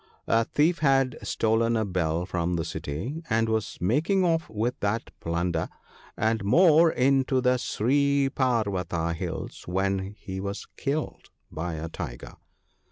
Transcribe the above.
A thief had stolen a bell from the city, and was making off with that plunder, and more, into the Sri parvata hills, when he was killed by a tiger.